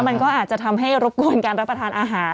มันก็อาจจะทำให้รบกวนการรับประทานอาหาร